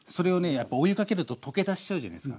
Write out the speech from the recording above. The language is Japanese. やっぱお湯かけると溶け出しちゃうじゃないすか。